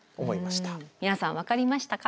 皆さん分かりましたか？